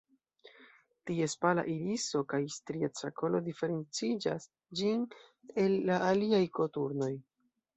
Ties pala iriso kaj strieca kolo diferencigas ĝin el la aliaj koturnoj.